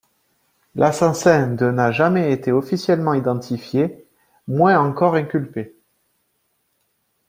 L'assassin de n'a jamais été officiellement identifié, moins encore inculpé.